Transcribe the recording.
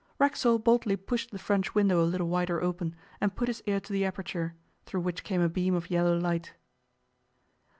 Racksole boldly pushed the french window a little wider open, and put his ear to the aperture, through which came a beam of yellow light.